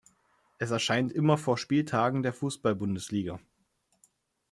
Es erscheint immer vor Spieltagen der Fußball-Bundesliga.